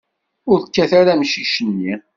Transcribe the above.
Ur kkat ara amcic-nni!